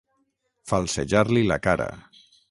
Falsejar-li la cara.